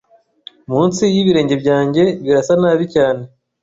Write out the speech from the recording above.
Munsi y'ibirenge byanjye birasa nabi cyane